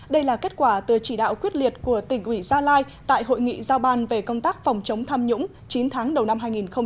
đây là kết quả từ chỉ đạo quyết liệt của tỉnh ủy gia lai tại hội nghị giao ban về công tác phòng chống tham nhũng chín tháng đầu năm hai nghìn một mươi chín